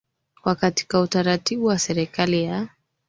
wa katika utaratibu wa serikali ya